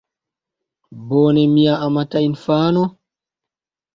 Bone, mia amata infano?